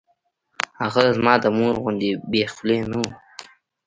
هغه زما د مور غوندې بې خولې نه وه.